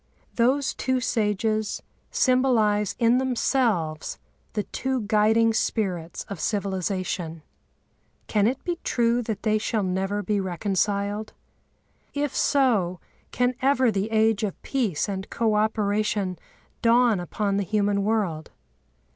Those two sages symbolise in themselves the two guiding spirits of civilisation. Can it be true that they shall never be reconciled? If so, can ever the age of peace and co operation dawn upon the human world?